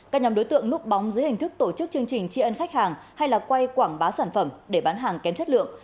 các nhóm đối tượng núp bóng dưới hình thức tổ chức chương trình tri ân khách hàng hay quay quảng bá sản phẩm để bán hàng kém chất lượng